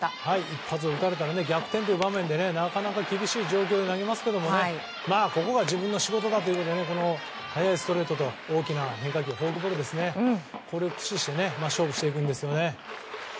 一発打たれたら逆転の場面でなかなか厳しい状況で投げますけどここが自分の仕事だということで速いストレートとフォークボールを駆使して勝負していきますね。